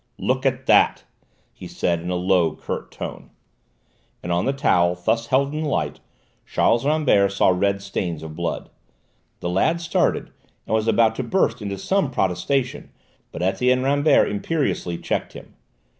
"Look at that!" he said in a low, curt tone. And on the towel, thus held in the light, Charles Rambert saw red stains of blood. The lad started, and was about to burst into some protestation, but Etienne Rambert imperiously checked him.